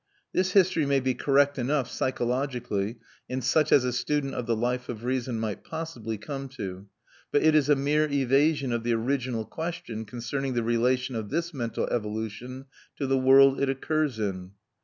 This history may be correct enough psychologically, and such as a student of the life of reason might possibly come to; but it is a mere evasion of the original question concerning the relation of this mental evolution to the world it occurs in.